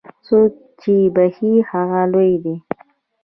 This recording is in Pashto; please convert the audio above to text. څوک چې بخښي، هغه لوی دی.